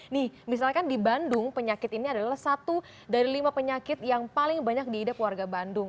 nih misalkan di bandung penyakit ini adalah satu dari lima penyakit yang paling banyak diidap warga bandung